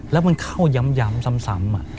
แล้วมันเข้าย้ำซ้ำ